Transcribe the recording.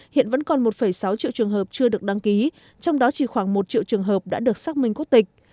hiện vẫn còn một sáu triệu trường hợp chưa được đăng ký trong đó chỉ khoảng một triệu trường hợp đã được xác minh quốc tịch